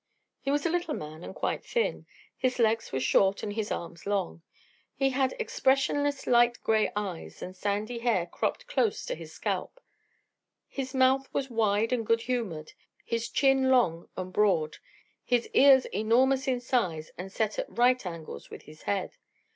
He was a little man and quite thin. His legs were short and his arms long. He had expressionless light gray eyes and sandy hair cropped close to his scalp. His mouth was wide and good humored, his chin long and broad, his ears enormous in size and set at right angles with his head.